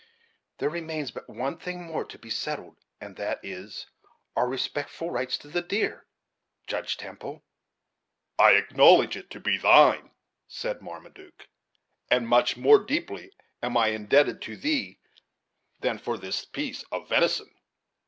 There remains but one thing more to be settled, and that is, our respective rights to the deer, Judge Temple." "I acknowledge it to be thine," said. Marmaduke; "and much more deeply am I indebted to thee than for this piece of venison.